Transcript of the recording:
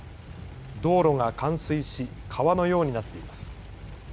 道路が冠水し川のようになっています。